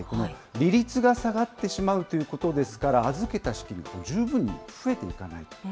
利率が下がってしまうということですから、預けた資金が十分に増えていかない。